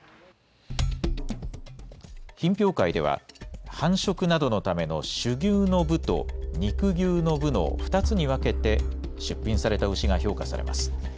品評会では、繁殖などのための種牛の部と肉牛の部の２つに分けて、出品された牛が評価されます。